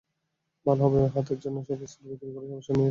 ভালো হবে হাতের জন্য সব অস্ত্র বিক্রি করে অবসর নিয়ে নে, ঠিক আছে?